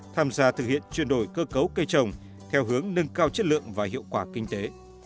tham gia thực hiện chuyển đổi cơ cấu cây trồng theo hướng nâng cao chất lượng và hiệu quả kinh tế